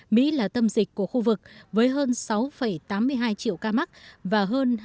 mỹ là tâm dịch của khu vực với hơn sáu tám mươi hai triệu ca